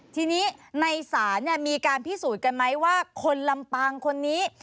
ทีนี้ในศาลมีการพิสูจน์กันไหมว่าคนลำปางคนนี้